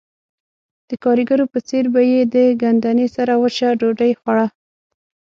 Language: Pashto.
د ګاریګرو په څېر به یې د ګندنې سره وچه ډوډۍ خوړه